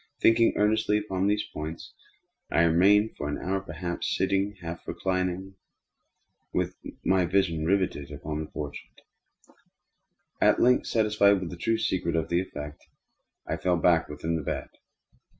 Thinking earnestly upon these points, I remained, for an hour perhaps, half sitting, half reclining, with my vision riveted upon the portrait. At length, satisfied with the true secret of its effect, I fell back within the bed.